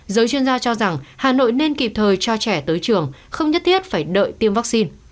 giới chuyên gia cho rằng hà nội nên kịp thời cho trẻ tới trường không nhất thiết phải đợi tiêm vaccine